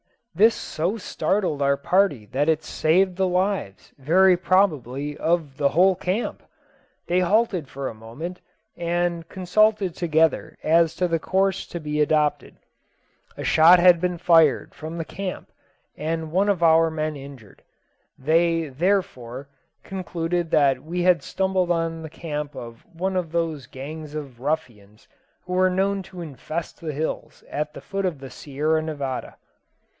This so startled our party that it saved the lives, very probably, of the whole camp. They halted for a moment, and consulted together as to the course to be adopted. A shot had been fired from the camp, and one of our men injured. They, therefore, concluded that we had stumbled on the camp of one of those gangs of ruffians which were known to infest the hills at the foot of the Sierra Nevada.